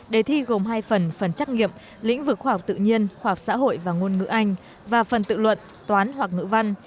đề thi gồm hai phần phần trắc nghiệm lĩnh vực khoa học tự nhiên khoa học xã hội và ngôn ngữ anh và phần tự luận toán hoặc ngữ văn